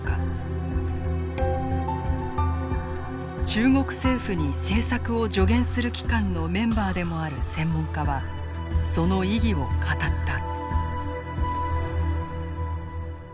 中国政府に政策を助言する機関のメンバーでもある専門家はその意義を語った。